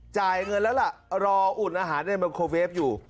จ่ายเงินแล้วล่ะรออุ่นอาหารในไมโครเวฟอยู่